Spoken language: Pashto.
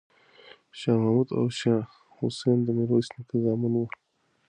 شاه محمود او شاه حسین د میرویس نیکه زامن وو.